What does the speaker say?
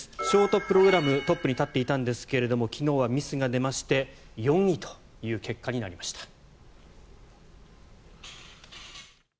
ショートプログラムトップに立っていたんですが昨日はミスが出まして４位という結果になりました。